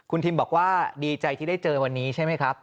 คุณทิมบอกว่าดีใจที่ได้เจอวันนี้ใช่ไหมครับ